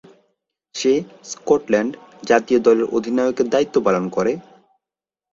সে Scotland জাতীয় দলের অধিনায়কের দায়িত্ব পালন করে।